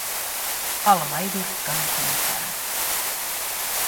Alma ei virkkanut mitään.